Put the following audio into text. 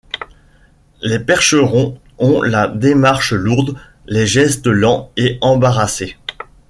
Les Percherons ont la démarche lourde, les gestes lents et embarrassés.